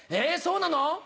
えそうなの？